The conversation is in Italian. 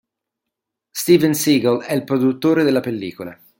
Steven Seagal è il produttore della pellicola.